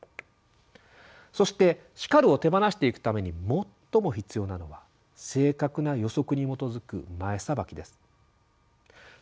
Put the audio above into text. そして「叱る」を手放していくために最も必要なのは正確な予測に基づく「前さばき」です。